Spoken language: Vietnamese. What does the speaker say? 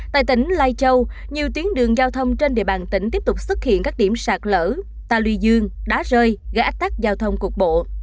tại tỉnh lai châu nhiều tuyến đường giao thông trên địa bàn tỉnh tiếp tục xuất hiện các điểm sạt lở ta luy dương đá rơi gây ách tắc giao thông cục bộ